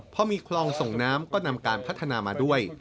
พอมีคลองส่งน้ำก็นำการพัฒนามาด้วย